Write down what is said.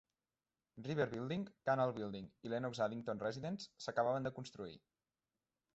River Building, Canal Building i Lennox-Addington Residence s'acabaven de construir.